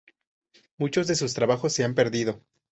Muchos de sus trabajos se han perdido.